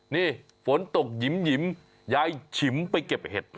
นี่ฝนตกหยิมยายฉิมไปเก็บเห็ด